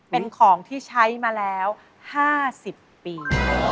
เป็นของที่ใช้มาแล้ว๕๐ปี